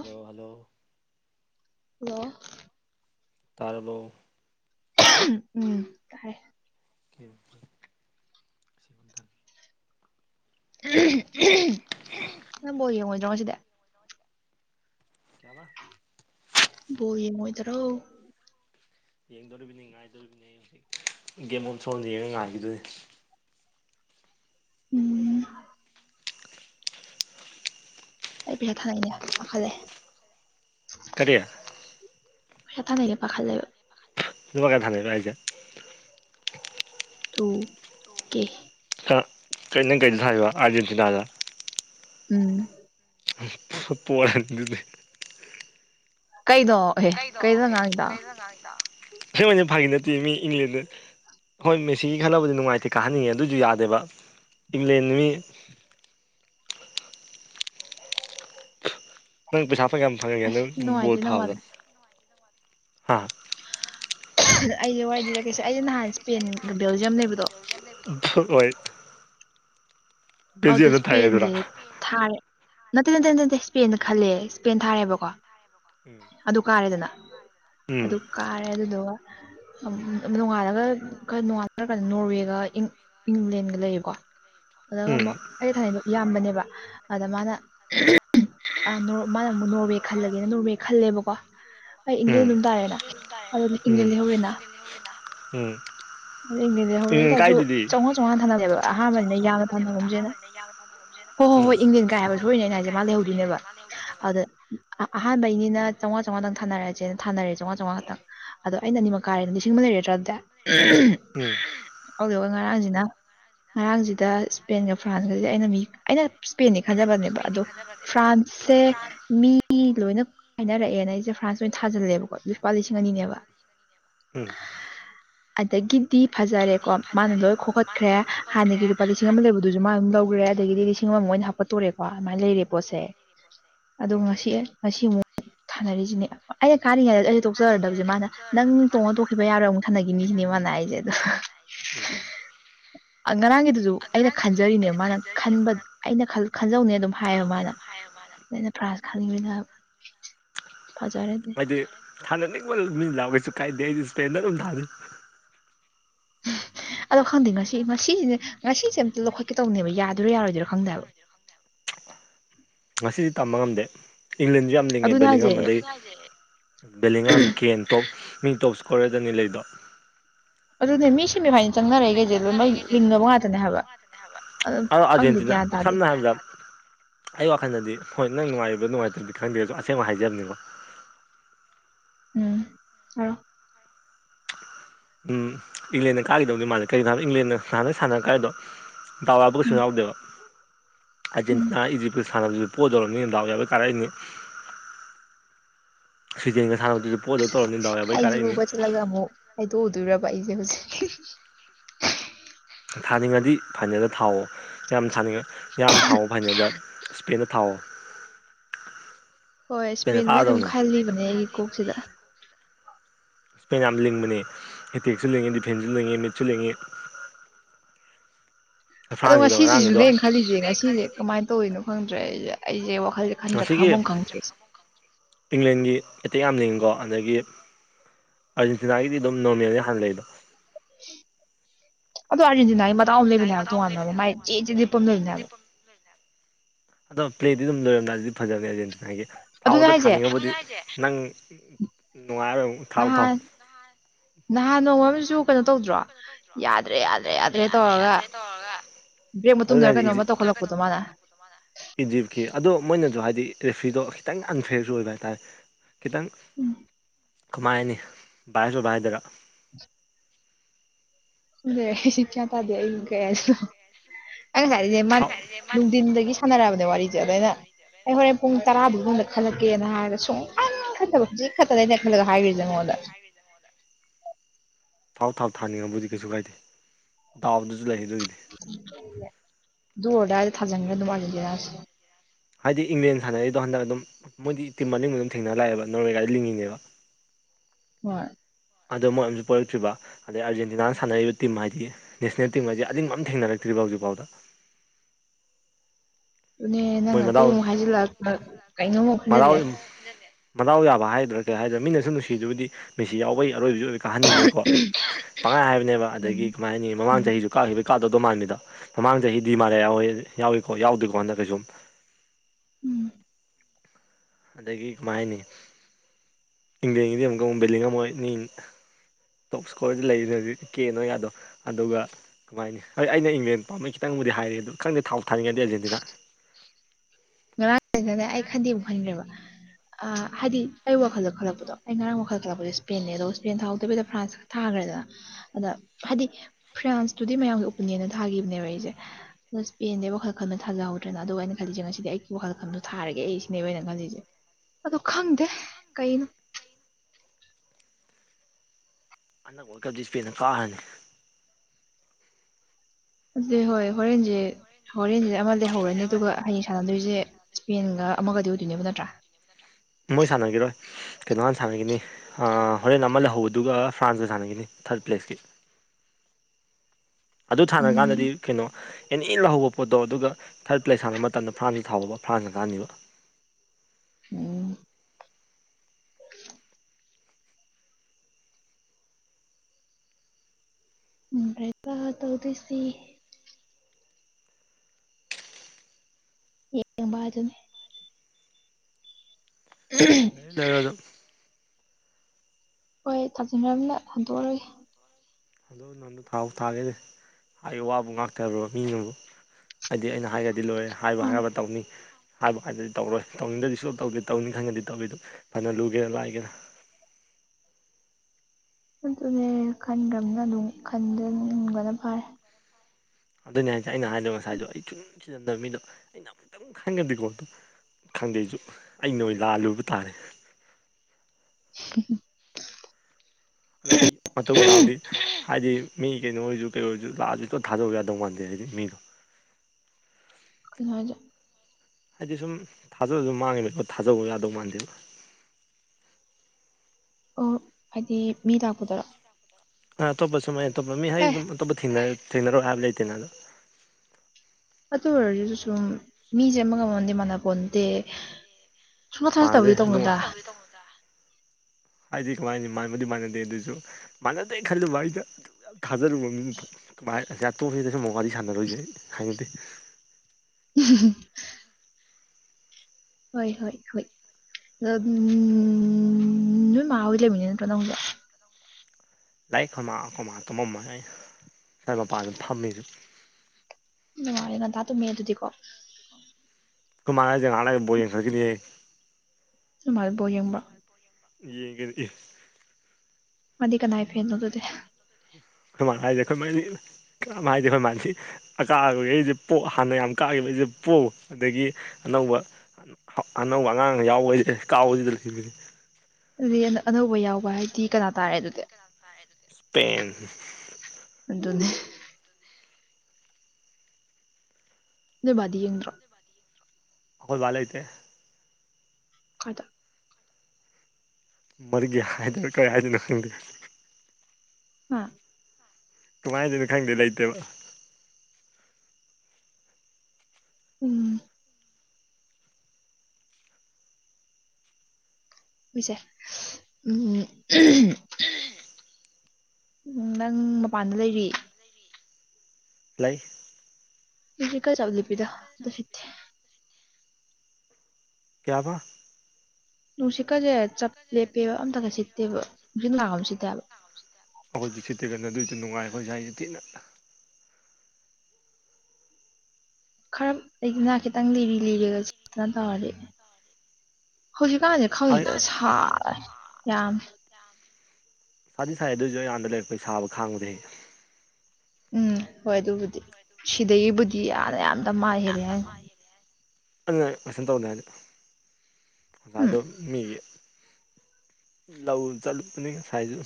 hello hello hello ꯇꯥꯔꯕꯣ ꯎꯝ ꯇꯥꯔ‌ꯦ [unintelligible] [unintelligible] ꯅꯪ ꯕꯣꯜ ꯌꯦꯡꯉꯣꯏꯗ꯭ꯔꯣ ꯉꯁꯤꯗꯤ ꯀꯩꯑꯥꯕ ꯕꯣꯜ ꯌꯦꯡꯉꯣꯏꯗ꯭ꯔꯣ ꯌꯦꯡꯗꯣꯔꯤꯕꯅꯤ ꯉꯥꯏꯗꯣꯔꯤꯕꯅꯤ ꯒꯦꯝ ꯑꯣꯟ ꯁꯣꯟꯗ ꯌꯦꯡꯉ ꯉꯥꯏꯈꯤꯗꯣꯏꯅꯤ ꯎꯝ ꯑꯩ ꯄꯩꯁꯥ ꯊꯥꯅꯩꯅꯦ ꯄꯥꯈꯠꯂꯦ ꯀꯔꯤ ꯄꯩꯁꯥ ꯊꯥꯅꯩ [unintelligible] ꯄꯥꯈꯠꯂꯦꯕ ꯂꯨꯄꯥ ꯀꯌꯥ ꯊꯥꯅꯩꯕ ꯍꯥꯏꯁꯦ ꯇꯨꯀꯦ ꯑ ꯀꯩ ꯅꯪ ꯀꯩꯗ ꯊꯥꯏꯕ ꯑꯥꯔꯖꯦꯟꯇꯤꯅꯥꯗ ꯎꯝ ꯄꯣꯔꯅꯤ ꯗꯨꯗꯤ ꯀꯩꯅꯣ ꯑꯦ ꯀꯩꯅꯣ ꯅꯪꯅ ꯉꯥꯡꯉꯤꯗꯣ ꯅꯪ ꯉꯥꯡꯉꯤꯗꯣ ꯑꯁꯦꯡꯕꯩꯅꯦ ꯐꯥꯒꯤ ꯅꯠꯇꯦ ꯃꯤ ꯏꯪꯪꯂꯦꯟꯅ ꯍꯣꯏ ꯃꯦꯁꯤꯒꯤ ꯈꯜꯂꯕꯨꯗꯤ ꯅꯨꯡꯉꯥꯏꯇꯦ ꯀꯥꯍꯟꯅꯤꯡꯉꯦ ꯑꯗꯨꯏꯁꯨ ꯌꯥꯗꯦꯕ ꯏꯪꯂꯦꯟ ꯃꯤ ꯅꯪ ꯄꯩꯁꯥ ꯐꯌꯥꯝ ꯐꯪꯉꯒꯦ ꯅꯪ ꯕꯣꯜ ꯅꯨꯡꯉꯥꯏꯇꯦ ꯅꯪ ꯊꯥꯕꯗꯣ ꯋꯥꯗꯣ [unintelligible] ꯍꯥ ꯑꯩꯁꯦ ꯋꯥꯔꯤ ꯂꯤꯔꯛꯀꯦꯁꯦ ꯑꯩꯁꯦ ꯅꯍꯥꯟ ꯏꯁꯄꯦꯟꯒ ꯕꯦꯜꯖꯤꯌꯝ ꯂꯩꯕꯗꯣ ꯍ‌ꯣꯏ ꯑꯗꯨꯗ ꯊꯥꯏ ꯑꯗꯨꯔꯥ ꯏꯁꯄꯦꯟꯁꯦ ꯊꯥꯔꯦ ꯅꯠꯇꯦ ꯅꯠꯇꯦ ꯅꯠꯇꯦ ꯅꯠꯇꯦ ꯏꯁꯄꯦꯟꯗ ꯈꯜꯂꯦ ꯏꯁꯄꯦꯟ ꯊꯥꯔꯦꯕꯀꯣ ꯑꯗꯨ ꯀꯥꯔꯦꯗꯅ ꯎꯝ ꯑꯗꯨ ꯀꯥꯔꯦ ꯑꯗꯨꯗꯨꯒ ꯅꯣꯡꯉꯥꯜꯂꯒ ꯅꯣꯡꯉꯥꯜꯒꯔꯥ ꯀꯩꯅꯣ ꯅꯣꯔꯋꯦꯒ ꯏꯪ ꯏꯪꯂꯦꯟꯒ ꯂꯩꯌꯦꯀꯣ ꯑꯗꯨꯒ ꯎꯝ ꯑꯃꯨꯛ ꯑꯩ ꯊꯥꯅꯩꯗꯣ ꯏꯌꯥꯝꯕꯅꯦꯕ ꯑꯗ ꯃꯥꯅ ꯑ ꯅꯣꯔ ꯃꯥꯅ ꯑꯃꯨꯛ ꯅꯣꯔꯋꯦ ꯈꯜꯂꯒꯦꯅ ꯅꯣꯔꯋꯦ ꯈꯜꯂꯦꯕꯀꯣ ꯑꯩ ꯏꯪꯂꯦꯟ ꯎꯝ ꯑꯗꯨꯝ ꯇꯥꯔꯦꯅ ꯑꯗꯨ ꯎꯝ ꯏꯪꯂꯦꯟ ꯂꯩꯍꯧꯔꯦꯅ ꯎꯝ ꯏꯪꯂꯦꯟ ꯂꯩꯍꯧꯔꯦ ꯏꯪꯉꯪ ꯑꯗꯣꯏꯇꯥꯔꯁꯨ ꯀꯥꯏꯗꯨꯗꯤ ꯆꯧꯉꯥ ꯆꯧꯉꯥ ꯊꯅꯕꯅꯦꯕ ꯑꯍꯥꯟꯕꯅꯤꯅ ꯌꯥꯝꯅ ꯊꯝꯅꯒꯨꯝꯁꯦꯅ ꯍꯣꯏ ꯍꯣꯏ ꯍꯣꯏ ꯎꯝ ꯏꯪꯂꯦꯟ ꯀꯥꯏ ꯍꯥꯏꯕ ꯁꯣꯏꯔꯤꯅꯦ ꯑꯩꯅ ꯍꯥꯏꯖ‌ꯦ ꯃꯥ ꯂꯩꯍꯧꯗꯣꯏꯅꯦꯕ ꯑꯗ ꯑꯍꯥꯟꯕꯩꯅꯤ ꯅ ꯆꯧꯉꯥ ꯆꯧꯉꯥ ꯗꯪ ꯊꯥꯅꯔꯁꯦꯅ ꯊꯥꯅꯔꯦ ꯆꯧꯉꯥ ꯆꯧꯉꯥ ꯈꯛꯇꯪ ꯑꯗꯣ ꯑꯩꯅ ꯑꯅꯤꯃꯛ ꯀꯥꯔꯦ ꯂꯤꯁꯤꯡ ꯑꯃ ꯂꯩꯔꯗ꯭ꯔ ꯗꯨꯗꯤ ꯎꯝ ꯑꯗꯨꯗꯨꯒ ꯉꯔꯥꯡꯖꯤꯅ ꯉꯔꯥꯡꯖꯤꯗ ꯏꯁꯄꯦꯟꯒ ꯐ꯭ꯔꯥꯟꯁꯒꯁꯤ ꯑꯩꯅ ꯃꯤ ꯑꯩꯅ ꯏꯁꯄꯦꯟꯅꯤ ꯈꯟꯖꯕꯅꯦꯕ ꯑꯗꯣ ꯐ꯭ꯔꯥꯟꯁꯁꯦ ꯃꯤ ꯂꯣꯏꯅ ꯍꯥꯏꯅꯔꯛꯑꯦꯅ ꯑꯩꯁꯦ ꯐ꯭ꯔꯥꯟꯁ ꯑꯣꯏꯅ ꯊꯥꯖꯜꯂꯦꯕꯀꯣ ꯂꯨꯄꯥ ꯂꯤꯁꯤꯡ ꯑꯅꯤꯅꯦꯕ ꯎꯝ ꯑꯗꯒꯤꯗꯤ ꯐꯖꯔꯦꯀꯣ ꯃꯥꯅ ꯂꯣꯏ ꯈꯣꯈꯠꯈ꯭ꯔꯦ ꯍꯥꯟꯅꯒꯤ ꯂꯨꯄꯥ ꯂꯤꯁꯤꯡ ꯑꯃ ꯂꯩꯕꯗꯨꯁꯨ ꯃꯥ ꯑꯗꯨꯝ ꯂꯧꯈ꯭ꯔꯦ ꯑꯗꯒꯤꯗꯤ ꯂꯤꯁꯤꯡ ꯑꯃ ꯃꯣꯏ ꯍꯥꯞ ꯈꯣꯠꯇꯣꯔꯦꯀꯣ ꯑꯗꯨꯃꯥꯏꯅ ꯂꯩꯔꯦ ꯄꯣꯠꯁꯦ ꯑꯗꯨ ꯎꯝ ꯉꯁꯤ ꯉꯁꯤ ꯑꯃꯨꯛ ꯁꯥꯅꯔꯤꯁꯤꯅꯦ ꯑꯩꯅ ꯀꯥꯔꯤꯉꯩꯗ ꯑꯩꯁꯦ ꯇꯣꯛꯆꯔꯗꯕꯁꯦ ꯃꯥꯅ ꯅꯪ ꯇꯣꯡꯉ ꯇꯣꯛꯈꯤꯕ ꯌꯥꯔꯣꯏ ꯑꯃꯨꯛ ꯊꯥꯅꯒꯤꯅꯤꯁꯤꯅꯦ ꯃꯥꯅ ꯍꯥꯏꯁꯦ ꯑꯗꯣ [unintelligible] ꯉꯔꯥꯡꯒꯤꯗꯨꯁꯨ ꯑꯩꯅ ꯈꯟꯖꯔꯤꯅꯦ ꯃꯥꯅ ꯈꯟꯕ ꯑꯩꯅ ꯈꯟꯖꯧꯅꯦ ꯑꯗꯨꯝ ꯍꯥꯏꯌꯦꯕ ꯃꯥꯅ ꯑꯩꯅ ꯐ꯭ꯔꯥꯟꯁ ꯈꯟꯕꯅꯦ ꯍꯥꯏꯕ ꯐꯖꯔꯦ ꯑꯗꯨ ꯊꯥꯅꯅꯤꯡꯕ ꯃꯤ ꯂꯥꯛꯑꯣ ꯀꯩꯁꯨ ꯀꯥꯏꯗꯦ ꯑꯩꯗꯤ ꯏꯁꯄ꯭ꯂꯦꯟ ꯗ ꯑꯗꯨꯝ ꯊꯥꯗꯣꯏꯅꯦ ꯑꯗꯣ ꯈꯪꯗꯦ ꯉꯁꯤ ꯉꯁꯤꯁꯤꯅꯦ ꯉꯁꯤꯁꯦ ꯑꯇ ꯂꯧꯈꯠꯀꯦ ꯇꯧꯅꯦꯕ ꯌꯥꯗꯣꯏꯔꯣ ꯌꯥꯔꯣꯏꯗꯣꯏꯔ ꯈꯪꯗꯦꯕ ꯉꯁꯤꯗꯤ ꯇꯝꯕ ꯉꯝꯗꯦ ꯏꯪꯂꯦꯟꯁꯨ ꯌꯥꯝ ꯂꯤꯡꯉꯦ ꯑꯗꯨꯅꯦ ꯍꯥꯏꯁꯦ ꯕꯦꯂꯤꯉꯥꯝ ꯑꯗꯗꯒꯤ ꯕꯦꯂꯤꯉꯥꯝ ꯀꯦꯟ ꯇꯣꯞ ꯃꯤ ꯇꯣꯞ ꯁꯀꯣꯔ ꯔꯔꯗꯅꯤ ꯂꯩꯗꯣ ꯑꯗꯨꯅꯦ ꯃꯤ ꯁꯤꯃꯤ ꯐꯥꯏꯅꯦꯟ ꯆꯪꯅꯔꯛꯏꯁꯦ ꯈꯧꯁꯦ ꯂꯣꯏꯅꯃꯛ ꯂꯤꯡꯅꯕ ꯉꯥꯛꯇꯅꯦ ꯍꯥꯏꯕ ꯑꯗꯨꯝ ꯑꯧ ꯈꯪꯗꯦ ꯑꯥꯔꯖꯦꯟꯇꯤꯅꯥ ꯒ꯭ꯌꯥꯟ ꯇꯥꯗꯦ ꯁꯝꯅ ꯍꯥꯏꯔꯕꯗ ꯑꯩ ꯋꯥꯈꯜꯗꯗꯤ ꯍꯣꯏ ꯅꯪ ꯅꯨꯡꯉꯥꯏꯕ꯭ꯔꯥ ꯅꯨꯡꯉꯥꯏꯇꯕꯗꯤ ꯈꯪꯗꯦ ꯑꯩꯁꯨ ꯑꯁꯦꯡꯕ ꯍꯥꯏꯖꯕꯅꯤꯕꯀꯣ ꯎꯝ ꯍꯥꯏꯔꯛꯑꯣ ꯎꯝ ꯏꯪꯂꯦꯟꯅ ꯀꯥꯈꯤꯗꯧꯗꯤ ꯃꯥꯜꯂꯤ ꯀꯔꯤꯅꯣ ꯍꯥꯏꯕꯗ ꯏꯪꯂꯦꯟꯅ ꯐ꯭ꯔꯥꯅꯁꯀ ꯁꯥꯟꯅ ꯀꯥꯏꯗꯣ ꯗꯥꯎ ꯌꯥꯕ ꯀꯩꯁꯨ ꯎꯝ ꯌꯥꯎꯗꯦꯕ ꯎꯝ ꯑꯔꯖꯦꯟꯇꯤꯅꯥꯒ ꯏꯖꯤꯞꯀ ꯁꯥꯟꯅꯕꯁꯨ ꯄꯣꯗꯧꯔꯕꯅꯤ ꯗꯥꯎ ꯌꯥꯕꯩ ꯀꯥꯔꯛꯏꯅꯤ ꯁ꯭ꯋꯤꯗꯦꯟꯒ ꯁꯥꯟꯅꯕꯁꯨ ꯄꯣꯗꯧ ꯇꯧꯔꯃꯤ ꯗꯥꯋ ꯌꯥꯕꯩ ꯑꯩꯁꯤꯕꯨ ꯀꯥꯔꯛꯏꯅꯤ ꯎꯕ ꯆꯠꯂꯒ ꯑꯃꯨꯛ ꯍꯥꯏꯗꯣꯛꯎꯗꯣꯏꯔꯕ ꯑꯩꯁꯦ ꯍꯧꯖꯤꯛ ꯊꯥꯅꯤꯡꯉꯗꯤ ꯐꯥꯏꯅꯦꯜꯗ ꯊꯥꯎꯋꯣ ꯌꯥꯝ ꯊꯥꯅꯤꯡꯉ ꯌꯥꯝ ꯊꯥꯎꯑꯣ ꯐꯥꯏꯅꯦꯜꯗ ꯏꯁꯄꯦꯟꯗ ꯊꯥꯎꯋꯣ ꯍꯣꯏ ꯏꯁꯄꯦꯟꯕꯨꯗꯤ ꯑꯗꯨꯝ ꯈꯜꯂꯤꯕꯅꯦ ꯑꯩꯒꯤ ꯀꯣꯛꯁꯤꯗ ꯌꯥꯝ ꯂꯤꯡꯕꯅꯦ ꯑꯦꯇꯦꯛꯁꯨ ꯂꯤꯡꯉꯦ ꯗꯤꯐꯦꯟꯁꯨ ꯂꯤꯡꯉꯦ ꯃꯤꯠꯁꯨ ꯂꯤꯡꯉꯤ ꯑꯗꯣ ꯐ꯭ꯔꯥꯟꯁꯀꯤꯗꯣ ꯉꯁꯤꯁꯤꯁꯨꯅꯦ ꯑꯩꯅ ꯈꯜꯂꯤꯁꯦ ꯉꯁꯤꯁꯦ ꯀꯃꯥꯏꯅ ꯇꯧꯔꯤꯅꯣ ꯈꯪꯗ꯭ꯔꯦ ꯑꯩꯁꯦ ꯑꯩꯁꯦ ꯋꯥꯈꯜꯁꯦ ꯈꯟꯗ꯭ꯔꯦ ꯉꯁꯤꯒꯤ ꯈꯪꯐꯝ ꯈꯪꯗ꯭ꯔꯤꯁꯦ ꯏꯪꯂꯦꯟꯒꯤ ꯑꯇꯦꯛ ꯌꯥꯝ ꯂꯤꯡꯉꯤꯀꯣ ꯑꯗꯒꯤ ꯑꯥꯔꯖꯦꯟꯇꯤꯅꯥꯒꯤꯗꯤ ꯑꯗꯨꯝ ꯅꯣꯔꯃꯦꯜꯅꯦ ꯍꯥꯟꯅ ꯂꯩꯔꯤꯗꯣ ꯑꯗꯣ ꯑꯥꯔꯖꯦꯟꯇꯤꯅꯥꯒꯤ ꯃꯗꯥꯎ ꯑꯃ ꯂꯩꯕꯅꯦꯕ ꯇꯣꯉꯥꯟꯕ ꯑꯃ ꯃꯥꯏ ꯖꯤ ꯖꯤ ꯂꯤꯠꯄ ꯑꯃ ꯂꯩꯕꯅꯦꯕ ꯑꯗꯣ ꯄ꯭ꯂꯦꯗꯤ ꯑꯗꯨꯝ ꯂꯣꯏꯔꯝꯗꯥꯏ ꯗꯗꯤ ꯐꯖꯕꯅꯦ ꯑꯦꯖꯦꯟꯇꯤꯅꯥꯒꯤ ꯑꯗꯨꯅꯦ ꯊꯥꯎꯗ ꯍꯥꯏꯁꯦ ꯊꯥꯅꯤꯡꯉꯕꯨꯗꯤ ꯅꯪ ꯅꯨꯡꯉꯥꯏꯔꯣꯏ ꯑꯃꯨꯛ ꯅꯍꯥꯟ ꯅꯍꯥꯟ ꯅꯣꯡꯃ ꯑꯃꯁꯨ ꯀꯩꯅꯣ ꯇꯧꯗ꯭ꯔꯣ ꯌꯥꯗ꯭ꯔꯦ ꯌꯥꯗ꯭ꯔꯦ ꯌꯥꯗ꯭ꯔꯦ ꯇꯧꯔꯒ ꯕ꯭ꯔꯦꯛ ꯑꯗꯨꯅ ꯃꯇꯨꯡꯗ ꯀꯩꯅꯣꯝꯃ ꯇꯧꯈꯠꯂꯛꯄꯗꯣ ꯃꯥꯅ ꯏꯟꯖꯤꯞꯀꯤ ꯑꯗꯣ ꯃꯣꯏꯅꯁꯨ ꯍꯥꯏꯗꯤ ꯔꯦꯐ꯭ꯔꯤꯗꯣ ꯈꯤꯇꯪ ꯑꯟꯐꯦꯌꯔꯁꯨ ꯑꯣꯏꯕ ꯍꯥꯏꯇꯥꯔꯦ ꯈꯤꯇꯪ ꯎꯝ ꯀꯃꯥꯏ ꯍꯥꯏꯅꯤ ꯚꯥꯏ꯭ꯁ ꯑꯣꯏꯕ ꯍꯥꯏꯗꯣꯏꯔ [inaudible] ꯈꯪꯗꯦ ꯑꯩ ꯁꯤ ꯒ꯭ꯌꯥꯟ ꯇꯥꯗꯦ ꯑꯩ [unintelligible] ꯃꯥ ꯊꯥꯎ ꯅꯨꯡꯊꯤꯟꯗꯒꯤ ꯁꯥꯟꯅꯔꯛꯑꯔꯕꯅꯦ ꯋꯥꯔꯤꯁꯦ ꯑꯗ ꯑꯩꯅ ꯑꯩ ꯍꯣꯔꯦꯟ ꯄꯨꯡ ꯇꯔꯥꯐꯥꯎ ꯃꯅꯨꯡꯗ ꯈꯜꯂꯛꯀꯦꯅ ꯍꯥꯏꯔꯒ ꯁꯨꯡ ꯈꯟ ꯈꯟꯗꯕ ꯍꯧꯖꯤꯛ ꯈꯛꯇꯅꯦ ꯑꯩꯅ ꯈꯜꯂꯒ ꯍꯥꯏꯔꯤꯁꯦ [unintelligible] ꯊꯥꯎ ꯊꯥꯎ ꯊꯥꯅꯤꯡꯉꯕꯨꯗꯤ ꯀꯩꯁꯨ ꯀꯥꯏꯗꯦ ꯗꯥꯎꯗꯁꯨ ꯂꯩ ꯑꯗꯨꯒꯤꯗꯤ ꯗꯨ ꯑꯣꯔ ꯗꯥꯏꯗ ꯊꯥꯖꯤꯟꯈ꯭ꯔꯦ ꯑꯗꯨꯝ ꯑꯥꯔꯖꯦꯟꯇꯤꯅꯥꯁꯦ ꯍꯥꯏꯗꯤ ꯏꯪꯂꯦꯟ ꯁꯥꯟꯅꯔꯤꯗꯣ ꯍꯟꯗꯛ ꯑꯗꯨꯝ ꯃꯣꯏꯗꯤ ꯇꯤꯝ ꯑꯔꯤꯡꯕ ꯑꯗꯨꯝ ꯊꯦꯡꯅꯔ ꯂꯥꯛꯑꯦꯕ ꯅꯣꯔꯋꯦꯒꯥꯏꯗꯣ ꯂꯤꯡꯉꯤꯅꯦꯕ ꯍꯣꯏ ꯑꯗꯣ ꯃꯣꯏ ꯑꯝꯁꯨ ꯄ‌ꯣꯔꯛꯇ꯭ꯔꯤꯕ ꯑꯗꯩ ꯑꯥꯔꯦꯟꯇꯤꯅꯥꯅ ꯁꯥꯟꯅꯔꯤꯕ ꯇꯤꯝ ꯍꯥꯏꯗꯤ ꯅꯦꯁꯅꯦꯜ ꯇꯤꯝ ꯍꯥꯏꯁꯤꯗꯤ ꯑꯔꯤꯡꯕ ꯑꯝ ꯊꯦꯡꯅꯔꯛꯇ꯭ꯔꯤꯕ ꯍꯧꯖꯤꯛꯐꯥꯎꯗ ꯑꯗꯨꯅꯦ ꯅꯪ ꯃꯣꯏ ꯑꯗꯨꯃꯨꯛ ꯍꯥꯏꯖꯤꯜꯂꯛꯄ ꯃꯗꯥꯎ [unintelligible] ꯃꯗꯥꯎ ꯌꯥꯕ ꯍꯥꯏꯗ꯭ꯔꯥ ꯀꯩ ꯍꯥꯏꯗ꯭ꯔꯥ ꯃꯤꯅꯁꯨ ꯅꯨꯡꯁꯤꯗꯨꯕꯨꯗꯤ ꯃ‌ꯦꯁꯤ ꯌꯥꯎꯕꯩ ꯑꯔꯣꯏꯕꯖꯨ ꯑꯣꯏ ꯀꯥꯍꯟꯅꯤꯡꯕꯩꯀꯣ ꯄꯪꯉꯥꯏ ꯍꯥꯏꯕꯅꯦꯕ ꯑꯗꯒꯤ ꯎꯝ ꯀꯃꯥꯏꯅ ꯍꯥꯏꯅꯤꯡꯉꯤ ꯃꯃꯥꯡ ꯎꯝ ꯆꯍꯤꯁꯨ ꯀꯥꯈꯤꯕꯒꯤ ꯀꯥꯗꯣꯗꯥ ꯃꯥꯟꯕꯤꯗ‌ꯣ ꯃꯃꯥꯡ ꯆꯍꯤ ꯗꯤ ꯃꯥꯥꯂꯤꯌꯥ ꯍ‌ꯣꯏ ꯌꯥꯎꯏꯀꯣ ꯌꯥꯎꯗꯦꯀꯣ ꯍꯟꯗꯛ ꯀꯩꯁꯨꯝ ꯎꯝ ꯑꯗꯒꯤ ꯀꯃꯥꯏ ꯍꯥꯏꯅꯤ ꯏꯪꯂꯦꯟꯒꯤꯗꯤ ꯑꯃꯨꯛꯀꯃꯨꯛ ꯕ‌ꯦꯜꯂꯤꯡꯒꯝ ꯍ‌ꯣꯏ ꯃꯤ ꯇꯣꯞ ꯏꯁꯀꯣꯔꯁ ꯂꯩꯔꯤꯗꯣ ꯍꯧꯖꯤꯛ ꯀꯦꯟ ꯍꯣꯏꯒꯥꯗꯣ ꯑꯗꯨꯒ ꯀꯃꯥꯏ ꯍꯥꯏꯅꯤ ꯍꯣꯏ ꯑꯩꯅ ꯏꯪꯂꯦꯟ ꯄꯥꯝꯕꯩ ꯈꯤꯇꯪꯕꯨꯗꯤ ꯍꯥꯏꯔ‌ꯦ ꯑꯗꯨ ꯈꯪꯗ‌ꯦ ꯊꯥꯎ ꯊꯥꯅꯤꯡꯉꯗꯤ ꯑꯦꯔꯖꯦꯟꯇꯤꯅꯥ ꯉꯔꯥꯡꯁꯤꯗꯅꯦ ꯑꯩ ꯈꯟꯗꯤ ꯃꯨꯛ ꯈꯟꯈ꯭ꯔꯦꯕ ꯑꯥ ꯍꯥꯏꯗꯤ ꯑꯩ ꯋꯥꯈꯜꯗ ꯈꯜꯂꯛꯄꯗꯣ ꯑꯩ ꯉꯔꯥꯡ ꯋꯥꯈꯜ ꯈꯜꯂꯛꯄꯥꯁꯦ ꯏꯁꯄꯦꯟꯅꯦ ꯑꯗꯣ ꯏꯁꯄꯦꯟ ꯊꯥꯍꯧꯗꯕꯤꯗ ꯐ꯭ꯔꯥꯟꯁ ꯊꯥꯈ꯭ꯔꯦꯗꯅ ꯑꯗ ꯍꯥꯏꯗꯤ ꯐ꯭ꯔꯥꯟꯁꯇꯨꯗꯤ ꯃꯌꯥꯝꯒꯤ ꯑꯣꯄꯤꯅꯤꯌꯟꯗ ꯊꯥꯈꯤꯕꯅꯦꯕ ꯑꯩꯖ‌ꯦ ꯑꯗ‌ꯣ ꯏꯁꯄꯦꯟꯖ‌ꯦ ꯋꯥꯈꯜ ꯈꯟꯕ ꯊꯥꯖꯍꯧꯗ꯭ꯔꯦꯅ ꯑꯗꯨꯒ ꯑꯩꯅ ꯈꯜꯂꯤꯁꯦ ꯉꯁꯤꯗꯤ ꯑꯩ ꯋꯥꯈꯜ ꯈꯟꯕꯗꯣ ꯊꯥꯔꯒꯦ ꯑꯩ ꯁꯤꯅꯦꯕ ꯑꯩꯅ ꯈꯜꯂꯤꯁꯦ ꯑꯗꯣ ꯈꯪꯗꯦ ꯀꯩꯅꯣ ꯍꯟꯗꯛ ꯋꯥꯜ ꯀꯞꯗꯤ ꯏꯁꯄꯦꯟꯅ ꯀꯥꯔꯅꯤ ꯑꯗꯨꯅ‌ꯦ ꯍꯣꯏ ꯍꯣꯔꯦꯟꯖ‌ꯦ ꯍꯣꯔꯦꯟꯖ‌ꯦ ꯑꯃ ꯂꯩꯍꯧꯔꯅꯤ ꯑꯗꯨꯒ ꯍꯌꯦꯡ ꯁꯥꯟꯅꯗꯣꯏꯖ‌ꯦ ꯏꯁꯄꯦꯟꯒ ꯑꯃꯒꯗꯤ ꯑꯣꯏꯗꯣꯏꯅꯦꯕ ꯅꯠꯇ꯭ꯔꯥ ꯃꯣꯏ ꯁꯥꯟꯅꯒꯤꯔꯣꯏ ꯀꯩꯅꯣ ꯍꯥꯟꯅ ꯁꯥꯟꯅꯈꯤꯅꯤ ꯑꯥ ꯍꯣꯔꯦꯟ ꯑꯃ ꯂꯧꯍꯧꯕꯗꯨꯒ ꯐ꯭ꯔꯥꯟꯁꯀ ꯁꯥꯟꯅꯈꯤꯅꯤ ꯊꯥꯔ꯭ꯠ ꯄ꯭ꯂꯦꯁꯀꯤ ꯑꯗꯨ ꯎꯝ ꯊꯥꯅꯔꯀꯥꯟꯗꯗꯤ ꯀꯩꯅꯣ ꯑꯦꯅꯤ ꯂꯧꯍꯧꯕ ꯄꯣꯠꯇꯣ ꯑꯗꯨꯒ ꯊꯥꯔꯠ ꯄ꯭ꯂꯦꯁ ꯁꯥꯟꯅꯕ ꯃꯇꯝꯗ ꯐ꯭ꯔꯥꯟꯁꯁꯤ ꯊꯥꯎꯕ ꯐ꯭ꯔꯥꯟꯁꯅ ꯀꯥꯅꯤꯕ ꯑꯣ ꯎꯝ [unintelligible] ꯄ ꯇꯧꯗꯨꯏꯁꯤ ꯌꯦꯡꯕ ꯍꯥꯗꯨꯏꯅꯤ [unintelligible] ꯂ‌ꯩꯌ‌ꯣ ꯂꯩꯔꯣ ꯑꯗꯨꯝ ꯍꯣꯏ ꯊꯥꯖꯤꯟꯒ꯭ꯔꯥꯝꯅꯤꯅ ꯍꯟꯗꯣꯛꯑꯔꯣꯏ ꯑꯗꯨ ꯊꯥꯎ ꯊꯥꯒ‌ꯦꯗꯤ ꯍꯥꯏꯒꯤ ꯋꯥꯕꯨ ꯉꯥꯛꯇꯕ꯭ꯔ‌ꯣ ꯃꯤꯅꯕꯨ ꯍꯥꯏꯗꯤ ꯑꯩꯅ ꯍꯥꯏꯒ ꯗꯤ ꯂꯣꯏꯔꯦ ꯍꯥꯏꯕꯨ ꯃꯥꯅꯤ ꯍꯥꯏꯔꯕ ꯇꯧꯅꯤ ꯍꯥꯏꯕ ꯀꯥꯟꯗꯗꯤ ꯇꯧꯔꯣꯏ ꯇꯧꯅꯤꯡꯗ꯭ꯔꯗꯤ ꯁꯨꯡꯇꯧ ꯇꯧꯗꯦ ꯇꯧꯅꯤ ꯈꯟꯈ꯭ꯔꯗꯤ ꯇꯧꯋꯤꯗꯨ ꯐꯥꯅ ꯂꯨꯒꯦꯔ ꯂꯥꯏꯒꯦꯔꯥ ꯑꯗꯨꯅꯦ ꯈꯟꯈ꯭ꯔꯕꯅꯤꯅ ꯑꯗꯨꯝ ꯈꯟꯖꯤꯟꯅꯤꯡꯕꯅ ꯐꯔꯦ ꯑꯗꯨꯅꯤ ꯍꯥꯏꯖ‌ꯦ ꯑꯩꯅ ꯍꯥꯏꯗ‌ꯣ ꯉꯁꯥꯏꯗꯣ ꯑꯩ ꯁꯨꯡꯅꯨꯡ [unintelligible] ꯗꯕ ꯃꯤꯗꯣ ꯑꯩꯅ ꯗꯨꯝ ꯈꯪꯒꯔꯗꯤꯀꯣ ꯑꯗꯨ ꯈꯪꯗꯦ ꯑꯩꯖꯨ ꯑꯩꯅ ꯑꯣꯏꯅ ꯂꯥꯜꯂꯨꯕ ꯇꯥꯔꯦ [unintelligible] ꯑꯗꯣ ꯑꯩ ꯃꯇꯨꯡ ꯃꯅꯥꯎꯗꯤ ꯍꯥꯏꯗꯤ ꯃꯤ ꯀꯩꯅꯣ ꯑꯣꯏꯖꯨ ꯀꯩ ꯑꯣꯏꯖꯨ ꯂꯥꯛꯑꯖꯨ ꯁꯨꯡꯊꯥ ꯊꯥꯖꯧ ꯌꯥꯗꯧ ꯃꯥꯟꯗꯦ ꯍꯥꯏꯗꯤ ꯃꯤꯗꯣ ꯀꯩꯅꯣ ꯍꯥꯏꯖꯦ ꯍꯥꯏꯗꯤ ꯁꯨꯝ ꯊꯥꯖꯕꯖꯨ ꯃꯥꯡꯈꯤꯕꯩ ꯊꯥꯖꯧ ꯌꯥꯗꯧ ꯃꯥꯟꯗꯦꯕ ꯑꯣ ꯍꯥꯏꯗꯤ ꯃꯤ ꯂꯥꯛꯄꯗꯥꯔꯣ ꯑ ꯑꯇꯣꯞꯄ ꯁꯨꯝ ꯑꯩ ꯑꯇꯣꯞꯄ ꯍꯥꯏꯗꯤ ꯑꯩ ꯑꯦ ꯑꯗꯨꯝ ꯑꯇꯣꯞꯄ ꯊ‌ꯦꯡꯅ ꯊꯦꯡꯅꯔꯣꯏ ꯍꯥꯏꯕ ꯂꯩꯇꯦꯅ ꯗ‌ꯣ ꯑꯗꯨ ꯑꯣꯏꯔꯖꯨ ꯁꯨꯝ ꯃꯤꯁꯦ ꯑꯃꯒ ꯑꯃꯒꯗꯤ ꯃꯥꯟꯅꯄꯣꯟꯇꯦ ꯁꯨꯡꯊꯥ ꯊꯥꯖꯗꯕꯗꯤ ꯇꯧꯅꯨꯗ ꯇꯧꯅꯨꯗ ꯍꯥꯏꯗꯤ ꯀꯃꯥꯏꯅ ꯃꯥꯟꯕꯗꯤ ꯃꯥꯟꯅꯗꯦ ꯑꯗꯨꯁꯨ ꯃꯥꯟꯅꯗꯦ ꯈꯜꯂꯨꯕ ꯑꯩꯗ ꯊꯥꯖꯔꯨꯅꯨ ꯃꯤ ꯕꯥꯏ ꯌꯥꯔꯦ ꯇꯣꯛꯑꯁꯤꯗ ꯁꯨꯝ ꯋꯥꯔꯤ ꯁꯥꯟꯅꯔꯣꯏꯁꯦ ꯑꯩ ꯍꯥꯏꯅꯗꯦ ꯎ ꯍꯣꯏ ꯍꯣꯏ ꯍꯣꯏ ꯑ ꯎꯝ ꯅꯣꯏ ꯃꯥ ꯍꯣꯏ ꯂꯩꯃꯤꯟꯅꯩ ꯅꯠꯇ꯭ꯔꯣ ꯅꯪ ꯍꯧꯖꯤꯛ ꯂꯩ ꯈꯣꯏꯃꯥ ꯈꯣꯝꯃꯥ ꯇꯨꯝꯃꯝꯃꯅꯤ ꯁ꯭ꯋꯥꯏ ꯃꯄꯥꯟꯗ ꯐꯝꯃꯤ ꯍꯧꯖꯤꯛꯇꯤ ꯅꯨꯏ ꯃꯥꯍꯣꯏ ꯉꯟꯇꯥ ꯇꯨꯝꯃꯦ ꯑꯗꯨꯗꯤꯀꯣ ꯑꯩꯈꯣꯏ ꯃꯥꯒꯥꯁꯦ ꯉꯥꯏꯍꯥꯛ ꯂꯩꯔ ꯕꯣꯜ ꯌꯦꯡꯈꯠꯂꯛꯈꯤꯅꯤꯍꯦ ꯅꯣꯏ ꯃꯥꯁꯨ ꯕꯣꯜ ꯌꯦꯡꯕ꯭ꯔꯣ ꯌꯦꯡꯉꯤ ꯀꯩꯅꯣ ꯑꯦ ꯃꯥꯗꯤ ꯀꯅꯥꯥꯏ ꯐꯦꯟꯅꯣ ꯑꯗꯨꯗꯤ ꯑꯩꯈꯣꯏ ꯃꯥ ꯍꯥꯏꯁꯦ ꯑꯩꯈꯣꯏꯃꯥꯗꯤ ꯀꯅꯥꯝ ꯍꯥꯏꯗꯦ ꯑꯩꯈꯣꯏ ꯃꯥꯥꯗꯤ ꯑꯀꯥꯕꯒꯩꯖꯤ ꯄꯣ ꯍꯥꯟꯅ ꯌꯥꯝ ꯀꯥꯒꯤꯕꯒꯩꯖꯦ ꯄꯣ ꯑꯗꯒꯤ ꯑꯅꯧꯕ ꯑꯅꯧꯕ ꯑꯉꯥꯡ ꯌꯥꯎꯕꯩꯁꯦ ꯀꯥꯎꯕꯁꯤꯗ ꯂꯩꯕꯅꯤ ꯑꯗꯨꯗꯤ ꯑꯅꯧꯕ ꯌꯥꯎꯕ ꯍꯥꯏꯗꯤ ꯀꯅꯥ ꯇꯥꯔꯦ ꯑꯗꯨꯗꯤ ꯏꯁꯄꯦꯟ ꯑꯗꯨꯅꯦ ꯅꯣꯏ ꯕꯥꯗꯤ ꯌꯦꯡꯗ꯭ꯔꯣ ꯑꯈꯣꯏ ꯕꯥ ꯂꯩꯇꯔꯦ ꯀꯥꯏꯗ ꯃꯔꯤꯒꯌꯥ ꯍꯥꯏꯗꯅ ꯀꯔꯤ ꯍꯥꯏꯗꯣꯏꯅꯣ ꯈꯪꯗꯦ ꯍꯥ ꯀꯃꯥꯏꯅ ꯍꯥꯏꯗꯣꯏꯅꯣ ꯈꯪꯗꯦ ꯂꯩꯇꯦꯕ ꯎꯝ ꯍꯣꯏꯁꯦ ꯎꯝ ꯎꯝ ꯅꯪ ꯃꯄꯥꯟꯗ ꯂꯩꯔꯤ ꯂꯩ ꯅꯨꯡꯁꯤꯠ ꯀꯟ ꯆꯥꯎꯂꯤ ꯄꯤꯗ ꯑꯗꯨ ꯁꯤꯠꯇꯦ ꯀꯌꯥꯕ ꯅꯨꯡꯁꯤꯠꯀꯁꯦ ꯆꯞ ꯂꯦꯞꯄꯦꯕ ꯑꯝꯇꯀ ꯁꯤꯠꯇꯦꯕ ꯅꯨꯡꯁꯤꯠ ꯂꯥꯛꯄ ꯑꯃ ꯁꯤꯠꯇꯦꯕ ꯑꯩꯈꯣꯏꯖꯤꯛ ꯁꯤꯠꯇꯦ ꯀꯩꯅꯣ ꯑꯗꯨꯏꯁꯨ ꯅꯨꯡꯉꯥꯏ ꯑꯩꯈꯣꯏꯁ ꯁꯥꯢꯖꯦ ꯊꯤꯅ ꯈꯔ ꯑꯩꯗꯤꯅꯥ ꯈꯤꯇꯪ ꯂꯤꯔꯤ ꯂꯤꯔꯒ ꯁꯤꯠꯇꯅ ꯇꯧꯔꯗꯤ ꯍꯧꯖꯤꯛꯀꯥꯟꯖꯦ ꯈꯪꯗꯦꯗ ꯁꯥꯕꯅ ꯌꯥꯝꯃꯦ ꯁꯥꯗꯤ ꯁꯥꯏ ꯑꯗꯣꯏꯖꯨ ꯑꯩꯗ ꯂꯩꯔꯛꯄꯩ ꯁꯥꯕ ꯈꯥꯡꯕꯗꯤ ꯎꯝ ꯍꯣꯏ ꯑꯗꯨꯕꯨꯗꯤ ꯁꯤꯗꯒꯤꯕꯨꯗꯤ ꯑꯅ ꯌꯥꯝꯅ ꯗꯃꯥꯗ ꯍꯦꯜꯂꯤ ꯍꯥꯏꯅꯤ ꯑꯗꯨ ꯀꯁꯟ ꯇꯧꯅꯤ ꯍꯥꯏ ꯎꯝ ꯑꯣꯖꯥꯏꯗꯣ ꯃꯤꯒꯤ ꯂꯧ ꯆꯠꯂꯨꯕꯅꯤ ꯉꯁꯥꯏꯖꯨ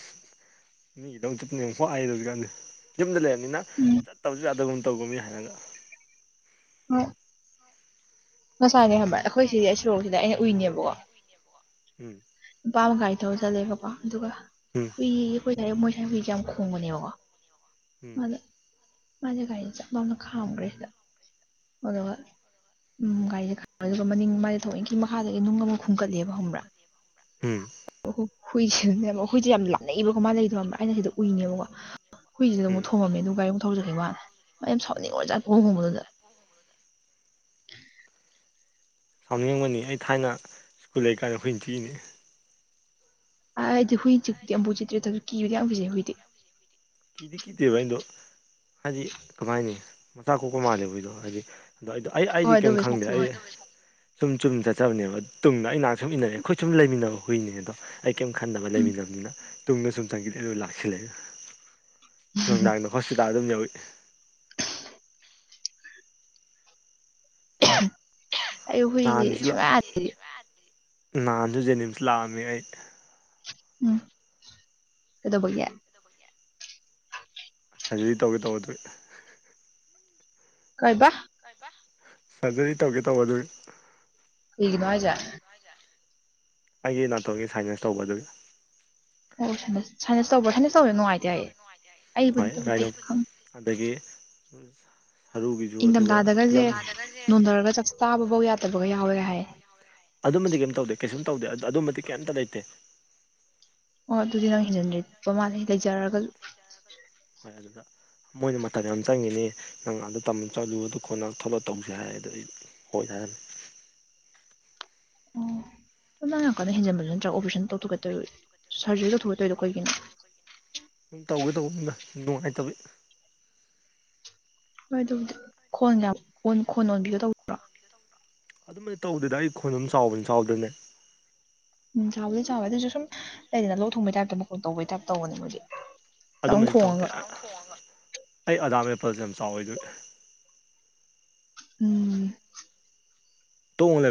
ꯃꯤꯒꯤꯗꯧ ꯆꯨꯠꯄꯅꯤꯅ ꯋꯥꯏꯗ ꯍꯧꯖꯤꯛꯀꯥꯟꯗꯤ ꯌꯨꯝꯗ ꯂꯩꯔꯕꯅꯤꯅ ꯎꯝ ꯆꯠꯇꯕꯁꯨ ꯌꯥꯗꯒꯨꯝ ꯇꯧ ꯀꯣ ꯃꯤꯅ ꯍꯥꯏꯔꯛꯑꯒ ꯍꯣꯏ ꯉꯁꯥꯅꯦ ꯍꯥꯏꯕ ꯑꯩꯈꯣꯏ ꯁꯤꯒꯤ ꯑꯩ ꯁꯣꯔꯣꯛꯁꯤꯗ ꯑꯩꯅ ꯎꯏꯅꯦꯕꯀꯣ ꯎꯝ ꯅꯨꯄꯥꯃ ꯀꯒꯥꯔꯤ ꯊꯣꯔ ꯆꯠꯂꯦꯕꯀꯣ ꯑꯗꯨꯒ ꯎꯝ ꯐꯤ ꯑꯩꯈꯣꯏ ꯁꯋꯥꯏ ꯃꯣꯏꯁꯋꯥꯏ ꯍꯨꯏꯁꯦ ꯌꯥꯝ ꯈꯣꯡꯕꯅꯦꯕꯀꯣ ꯎꯝ ꯑꯗ ꯃꯥꯖꯦ ꯒꯥꯔꯤ ꯆꯞ ꯂꯥꯎꯅ ꯈꯥꯝꯒꯔꯦ ꯁꯤꯗ ꯑꯗꯨꯒ ꯎꯝ ꯒꯥꯔꯤꯁꯦ ꯈꯥꯝꯒ꯭ꯔꯦ ꯑꯗꯨꯒ ꯃꯅꯤꯡ ꯃꯥꯁꯦ ꯊꯋꯣꯏꯀꯤ ꯃꯈꯥꯗꯒꯤ ꯅꯨꯡ ꯑꯃ ꯈꯨꯟꯒꯠꯂꯦꯕ ꯈꯪꯕ꯭ꯔꯥ ꯎꯝ ꯍꯨꯏ ꯍꯏ ꯌꯥꯝ ꯂ ꯑꯩꯈꯣꯏ ꯌꯥꯝ ꯂꯥꯅꯩꯑꯕ ꯑꯩꯅ ꯁꯤ ꯎꯅꯤꯡꯉꯦꯕꯀꯣ ꯍꯨꯏꯁꯤꯗ ꯍꯈꯣꯏꯁꯤꯗ ꯑꯃꯨꯛ ꯊꯣꯡꯉꯝꯃꯦ ꯑꯗꯨꯒ ꯣ ꯑꯩꯌꯥꯝ ꯁꯥꯎꯅꯤꯡꯉꯨ ꯖꯥꯠ ꯈꯣꯡꯒꯨꯝꯕꯗꯨꯗ [inaudible] ꯁꯥꯎꯅꯤꯡꯕꯅꯤ ꯑꯩ ꯊꯥꯏꯅ ꯁ꯭ꯀꯨꯜ ꯂꯩ ꯀꯥꯟꯗ ꯍꯨꯏꯅ ꯊꯤꯏꯅꯤ ꯑꯩꯗꯤ ꯍꯨꯏꯆꯤꯛ ꯑꯝꯕꯨ ꯆꯤꯛꯇ꯭ꯔꯤ ꯑꯗꯨꯁꯨ ꯀꯤꯕꯗꯤ ꯌꯥꯝ ꯀꯤꯖꯩ ꯍꯨꯏꯗꯤ ꯀꯤꯗꯤ ꯀꯤꯗꯦꯕ ꯑꯗꯣ ꯍꯥꯏꯗꯤ ꯀꯃꯥꯏꯅꯤ ꯃꯆꯥ ꯀꯣꯛꯄ ꯃꯥꯜꯂꯦꯕꯣꯏꯗꯣ ꯍꯥꯏꯗꯤ ꯑꯗꯣ ꯑꯩꯗꯣ ꯑꯩ ꯍꯣꯏ ꯑꯩꯗꯤ ꯀꯔꯤꯝ ꯑꯗꯨꯕꯨꯗꯤ ꯈꯪꯗꯦ ꯁꯥꯊꯤꯕꯅꯤ ꯑꯩ ꯁꯨꯝ ꯆꯨꯝ ꯆꯠꯆꯕꯅꯦꯕ ꯇꯨꯡꯗ ꯑꯩ ꯉꯍꯥꯛ ꯁꯨꯝ ꯏꯟꯅꯔꯑꯦ ꯑꯩꯈꯣꯏ ꯁꯨꯝ ꯂꯩꯃꯤꯟꯅꯕ ꯍꯨꯏꯅꯦ ꯑꯗꯣ ꯑꯩ ꯀꯔꯤꯝ ꯈꯟꯅꯕ ꯎꯝ ꯂꯩꯃꯤꯟꯅꯕꯅꯤꯅ ꯇꯨꯡꯗ ꯁꯨꯝ ꯆꯪꯁꯤꯜꯂꯤꯑꯦ ꯑꯗꯨ ꯂꯥꯛꯁꯤꯜꯂ ꯅꯨꯡꯗꯥꯡꯗ ꯍꯣꯁꯄꯤꯇꯥꯜ ꯑꯗꯨꯝ ꯌꯧ ꯏ [unintelligible] ꯑꯩ ꯍꯨꯏꯁꯦ ꯅꯍꯥꯟꯁꯨ ꯁꯨꯡꯌꯥ ꯅꯍꯥꯟꯁꯨ ꯖꯦꯅꯤꯝꯁ ꯂꯥꯛꯑꯝꯃꯤ ꯑꯩ ꯎꯝ ꯀꯗꯣꯕꯒꯤ ꯁꯔꯖꯔꯤ ꯇꯧꯒꯦ ꯇꯧꯕ ꯑꯗꯨꯏ ꯀꯥꯏ ꯕ ꯁꯔꯖꯔꯤ ꯇꯧꯒꯦ ꯇꯧꯕ ꯑꯗꯨ ꯀꯩꯒꯤꯅꯣ ꯍꯥꯏꯖꯦ ꯑꯩꯒꯤ ꯅꯥꯇꯣꯟꯒꯤ ꯁꯥꯏꯟꯁ ꯇꯧꯕ ꯑꯗꯨꯒ ꯑꯣ ꯁꯅ ꯁꯥꯏꯅꯁ ꯇꯧꯕ꯭ꯔꯣ ꯁꯥꯏꯅꯁ ꯇꯧꯁꯦ ꯅꯨꯡꯉꯥꯏꯇꯦ ꯍꯥꯏꯌꯦ ꯑꯩꯕꯨꯗꯤ ꯍꯣꯏ ꯔꯥꯏ ꯇꯧꯗꯦ ꯈꯪ ꯑꯗꯒꯤ ꯁꯔꯨꯒꯤꯁꯨ ꯑꯗꯨꯒ ꯏꯪꯊꯝꯊꯥꯗꯒꯁꯦ ꯄꯨꯂꯞ ꯅꯣꯟꯊꯔꯒ ꯆꯥꯛ ꯆꯥꯕꯐꯧ ꯌꯥꯗꯕꯒ ꯌꯥꯎꯋꯦꯒ ꯍꯥꯏꯌꯦ ꯑꯗꯨꯃꯗꯤ ꯀꯩꯝ ꯇꯧꯗꯦ ꯀꯩꯁꯨꯝ ꯇꯧꯗꯦ ꯑꯗꯨꯃꯗꯤ ꯀꯩꯝꯇ ꯂꯩꯇꯦ ꯑꯣ ꯑꯗꯨꯗꯤ ꯅꯪ ꯍꯦꯟꯖꯤꯟꯗꯠꯄ ꯃꯥꯜꯂꯦ ꯂꯩꯖꯔꯒꯖꯨ ꯍꯣꯏ ꯑꯗꯨꯗ ꯃꯣꯏꯅ ꯃꯇꯝ ꯌꯥꯝ ꯆꯪꯉꯤꯅꯤ ꯅꯪ ꯑꯗꯨ ꯇꯝ ꯆꯠꯂꯨꯕꯗ ꯈꯣꯠꯂ ꯊꯣꯂꯛ ꯇꯧꯁꯦ ꯍꯥꯏ ꯑ ꯑꯗꯨ ꯑꯩ ꯍꯣꯏ ꯌꯥꯔꯝ ꯑꯣ ꯅ ꯅꯪ ꯌꯥꯝ ꯀꯟꯅ ꯍꯦꯟꯖꯟꯕꯗꯨ ꯅꯠꯇ꯭ꯔꯒ ꯑꯣꯄꯔꯦꯁꯟ ꯇꯧꯊꯣꯛꯀꯗꯣꯏ ꯁꯔꯖꯔꯤ ꯇꯧꯊꯣꯛꯀꯗꯧꯔꯤꯗꯣ ꯑꯩꯈꯣꯏꯒꯤꯅ ꯑꯗꯨꯝ ꯇꯧꯒꯦ ꯇꯧꯕꯅꯤꯅ ꯅꯨꯡꯉꯥꯏꯇꯕ ꯍꯣꯏ ꯑꯗꯨꯕꯨꯗꯤ ꯈꯣꯟꯒ ꯑꯣꯟ ꯈꯣꯟ ꯑꯣꯟꯕꯤꯗꯣ ꯇꯧꯕ ꯑꯗꯨꯃꯥꯏꯅ ꯇꯧꯗꯗ ꯑꯩ ꯈꯣꯟ ꯑꯗꯨꯝ ꯆꯥꯎꯕꯅꯤ ꯆꯥꯎꯗꯅꯦ ꯎꯝ ꯆꯥꯎꯕꯗꯤ ꯆꯥꯎꯋꯦ ꯑꯗꯨꯏꯁꯨ ꯁꯨꯝ ꯂꯩꯗꯅ ꯂꯣꯛ ꯊꯣꯡꯕꯩ ꯇꯥꯏꯞꯇ ꯃꯈ ꯇꯧꯕꯩ ꯇꯥꯏꯞ ꯇꯧꯕꯅꯦ ꯃꯣꯏꯗꯤ ꯆꯥꯛꯎꯝ ꯑꯗꯨꯃꯕꯗꯤ ꯇꯧꯗꯦ ꯈꯣꯡꯉꯒ ꯑꯩ ꯑꯗꯥꯝ ꯃꯦꯄꯜꯁꯦ ꯌꯥꯝ ꯆꯥꯎꯋꯤ ꯑꯗꯨ ꯎꯝ ꯇꯣꯡ